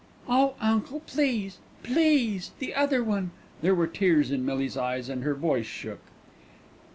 "Oh, uncle, please, please, the other one." There were tears in Millie's eyes and her voice shook.